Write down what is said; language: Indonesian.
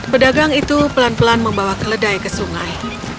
pedagang itu pelan pelan membawa keledai ke sungai